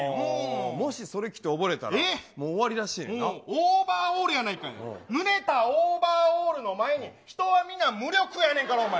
もし、それ着て溺れたらもうオーバーオールやないか、ぬれたオーバーオールの前に人は皆、無力やねんから。